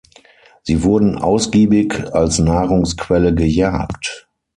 Sie wurden ausgiebig als Nahrungsquelle gejagt.